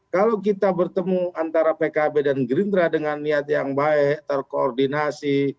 kalau kita bertemu antara pkb dan gerindra dengan niat yang baik terkoordinasi